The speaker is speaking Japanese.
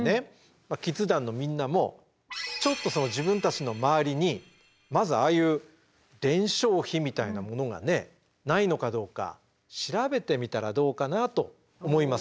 キッズ団のみんなも自分たちの周りにまずああいう伝承碑みたいなものがねないのかどうか調べてみたらどうかなと思います。